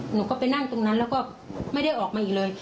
หนูก็ไปนั่งตรงนั้นแล้วก็ไม่ได้ออกมาอีกเลย